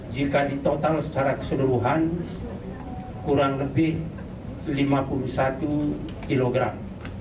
jika ditotal secara keseluruhan kurang lebih lima puluh satu kilogram